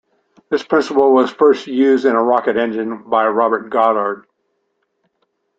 This principle was first used in a rocket engine by Robert Goddard.